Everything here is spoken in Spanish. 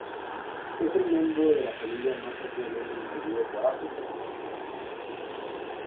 Es el miembro de la familia más ampliamente distribuido por África y Madagascar.